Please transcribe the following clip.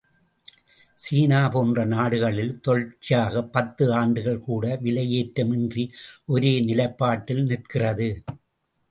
சீனா போன்ற நாடுகளில் தொடர்ச்சியாகப் பத்து ஆண்டுகள் கூட விலை ஏற்றம் இன்றி ஒரே நிலைப்பாட்டில் நிற்கிறது.